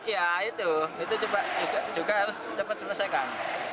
ya itu itu juga harus cepat selesaikan